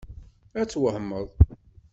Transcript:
Ad twehmeḍ!